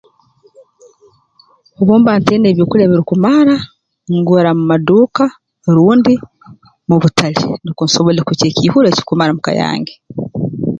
Obu mba ntaina ebyokulya birukumara ngura mu maduuka rundi mu butale nukwe nsobole kulya ekiihuro ekikumara muka yange